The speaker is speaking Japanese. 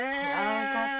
あよかった。